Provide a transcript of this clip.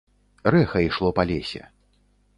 Рэха ішло па лесе.